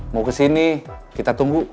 mau kesini kita tunggu